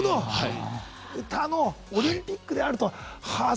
歌のオリンピックであると。